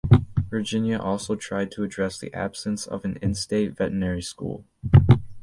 Virginia also tried to address the absence of an in-state veterinary school.